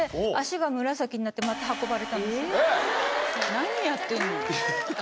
何やってんの。